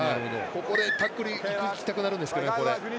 ここでタックル行きたくなりますけどね。